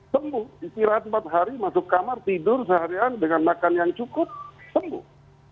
sembuh istirahat empat hari masuk kamar tidur seharian dengan makan yang cukup sembuh